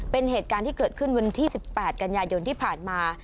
เป็นเหตุการณ์ที่เกิดขึ้นวันที่๑๘กันยายนที่ผ่านมา